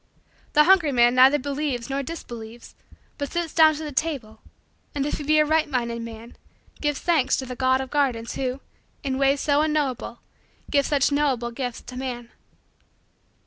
The hungry man neither believes nor disbelieves but sits down to the table and, if he be a right minded man, gives thanks to the God of gardens who, in ways so unknowable, gives such knowable gifts to man.